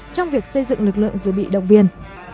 trong việc xây dựng lực lượng dự bị động viên